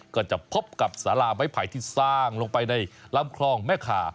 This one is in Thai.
ก็จะพบกับสาราไม้ไผ่ที่สร้างลงไปในลำคลองแม่ขา